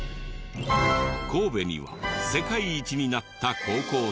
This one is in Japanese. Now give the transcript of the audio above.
神戸には世界一になった高校生が。